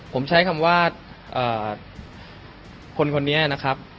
ผมใช้คำว่าคนคนนี้นะครับ